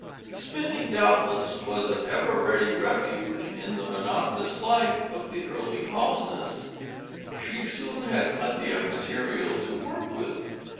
Spinning doubtless was an ever ready refuge in the monotonous life of the early colonist. She soon had plenty of material to work with.